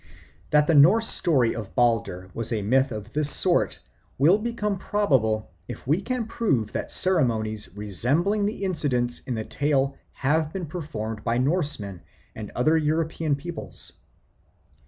That the Norse story of Balder was a myth of this sort will become probable if we can prove that ceremonies resembling the incidents in the tale have been performed by Norsemen and other European peoples.